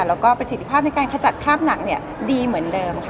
แล้วก็ประสิทธิภาพในการขจัดคราบหนักดีเหมือนเดิมค่ะ